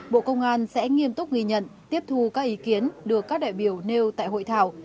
bộ công an sẽ nghiêm túc ghi nhận tiếp thu các ý kiến được các đại biểu nêu tại hội thảo